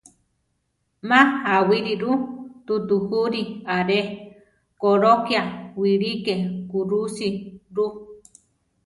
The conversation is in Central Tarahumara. Má awíriru tutugurí aré; kolokéa wiliké kúrusi ru.